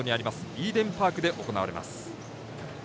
イーデンパークで行われます。